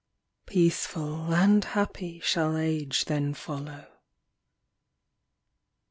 Peaceful and happy shall age then follow.